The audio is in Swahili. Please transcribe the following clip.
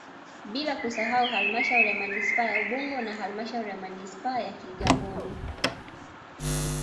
Bila kusahau halmashauri ya manispaa ya Ubungo na halmashauri ya manispaa ya Kigamboni